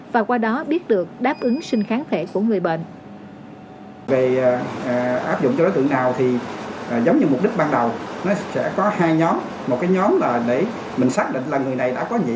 và qua đó biết được đáp ứng sinh kháng thể của người bệnh